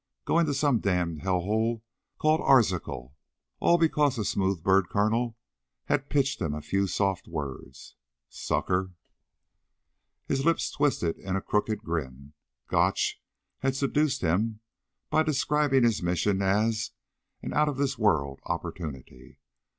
Going to some damned hell hole called Arzachel, all because a smooth bird colonel had pitched him a few soft words. Sucker! His lips twisted in a crooked grin. Gotch had seduced him by describing his mission as an "out of this world opportunity."